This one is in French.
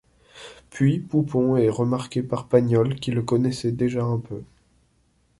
Puis Poupon est remarqué par Pagnol qui le connaissait déjà un peu.